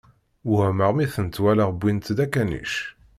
Wehmeɣ mi tent-walaɣ wwint-d akanic.